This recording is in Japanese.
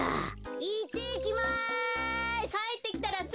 ・いってきます！